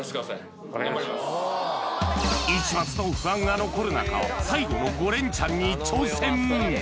一抹の不安が残る中最後の５連チャンに挑戦